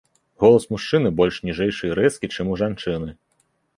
Голас мужчыны больш ніжэйшы і рэзкі, чым у жанчыны.